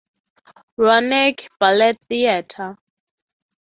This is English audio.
Roanoke Ballet Theater.